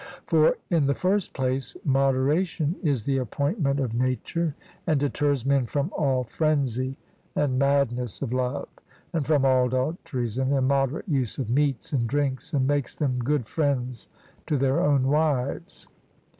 For, in the first place, moderation is the appointment of nature, and deters men from all frenzy and madness of love, and from all adulteries and immoderate use of meats and drinks, and makes them good friends to their own wives.